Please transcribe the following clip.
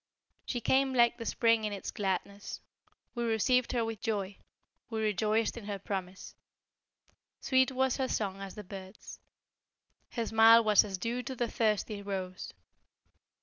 DIRGE She came like the Spring in its gladness We received her with joy we rejoiced in her promise Sweet was her song as the bird's, Her smile was as dew to the thirsty rose.